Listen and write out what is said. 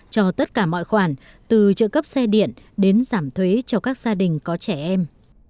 cho tất cả mọi khoản từ trợ cấp xe điện đến giảm thuế cho các gia đình có trẻ em